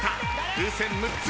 風船６つ。